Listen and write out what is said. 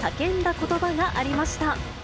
ことばがありました。